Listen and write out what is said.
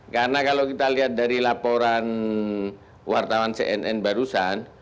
karena kalau kita lihat dari laporan wartawan cnn barusan